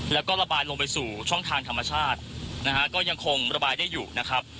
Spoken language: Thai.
แล้วก็ระบายลงไปสู่ช่องทางธรรมชาตินะฮะก็ยังคงระบายได้อยู่นะครับ